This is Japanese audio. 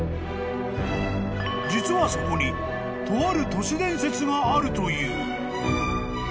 ［実はそこにとある都市伝説があるという］